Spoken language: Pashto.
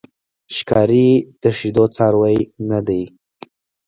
ښکاري د شیدو څاروی نه دی.